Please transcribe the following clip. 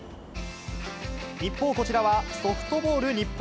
一方、こちらはソフトボール日本